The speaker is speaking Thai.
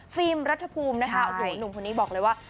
ฟิล์มรัฐภูมิหนุ่มคนนี้บอกเลยว่า